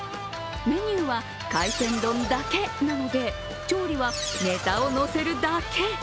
メニューは海鮮丼だけなので調理はネタをのせるだけ。